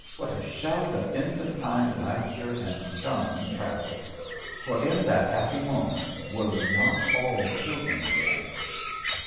What a shout of infantine laughter and charming prattle! for in that happy moment were we not all children again?